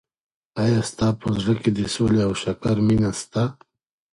ایا ستا په زړه کي د سولي او شکر مینه سته؟